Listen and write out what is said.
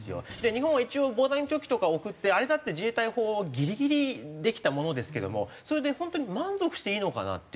日本は一応防弾チョッキとか送ってあれだって自衛隊法ギリギリできたものですけどもそれで本当に満足していいのかなっていう。